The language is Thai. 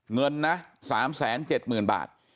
เงินนะ๓๗๐๐๐บาท